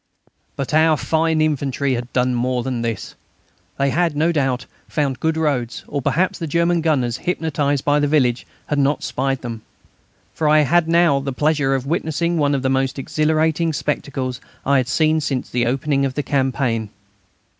But our fine infantry had done more than this. They had, no doubt, found good roads, or perhaps the German gunners, hypnotised by the village, had not spied them. For I had now the pleasure of witnessing one of the most exhilarating spectacles I had seen since the opening of the campaign.